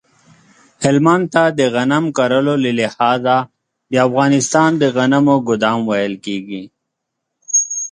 هلمند ته د غنم کرلو له لحاظه د افغانستان د غنمو ګدام ویل کیږی